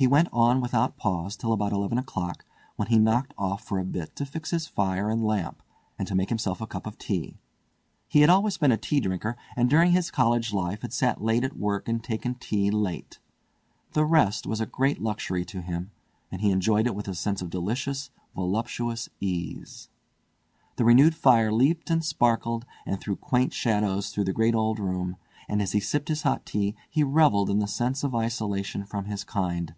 He went on without pause till about eleven o'clock, when he knocked off for a bit to fix his fire and lamp, and to make himself a cup of tea. He had always been a tea drinker, and during his college life had sat late at work and had taken tea late. The rest was a great luxury to him, and he enjoyed it with a sense of delicious, voluptuous ease. The renewed fire leaped and sparkled, and threw quaint shadows through the great old room; and as he sipped his hot tea he revelled in the sense of isolation from his kind.